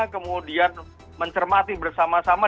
kemudian mencermati bersama sama